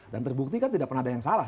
dan terbukti kan tidak pernah ada yang salah